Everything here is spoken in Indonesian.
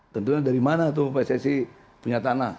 tentunya dari mana tuh pssi punya tanah